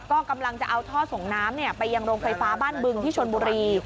ก็กำลังจะเอาท่อส่งน้ำไปยังโรงไฟฟ้าบ้านบึงที่ชนบุรี